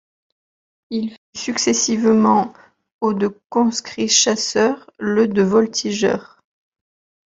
Il fut successivement au de conscrits chasseurs, le de voltigeurs.